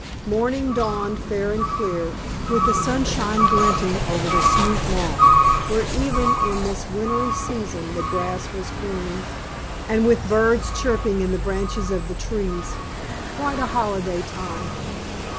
Morning dawned fair and clear, with the sunshine glinting over the smooth lawn, where even in this wintry season the grass was green, and with birds chirping in the branches of the trees quite a holiday time.